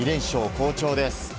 好調です。